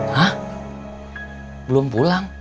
hah belum pulang